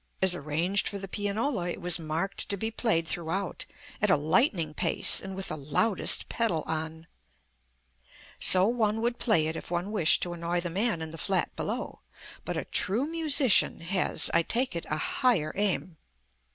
As arranged for the pianola, it was marked to be played throughout at a lightning pace and with the loudest pedal on. So one would play it if one wished to annoy the man in the flat below; but a true musician has, I take it, a higher aim.